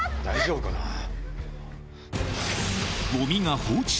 大丈夫かな。